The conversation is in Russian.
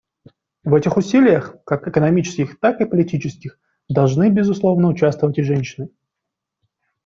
В этих усилиях, как экономических, так и политических, должны, безусловно, участвовать и женщины.